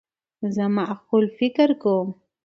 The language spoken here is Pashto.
زه معقول فکر کوم.